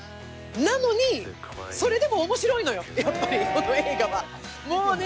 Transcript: なのに、それでも面白いのよ！